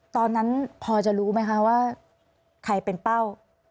ตอนนั้นพอจะรู้ไหมคะว่าใครเป็นเป้า